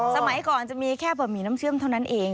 สมัยก่อนจะมีแค่บะหมี่น้ำเชื่อมเท่านั้นเอง